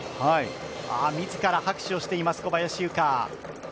自ら拍手をしています、小林諭果。